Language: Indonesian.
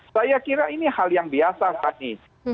kira kira ini hal yang biasa fadi